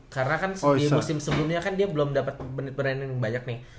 karena kan di musim sebelumnya kan dia belum dapet penyertaan yang banyak nih